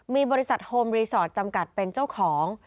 มีบริษัทโฮมรีสอร์ทจำกัดเป็นเจ้าของ